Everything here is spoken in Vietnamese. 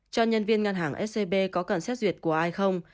cho nhân viên ngân hàng scb có cần xét duyệt của ai không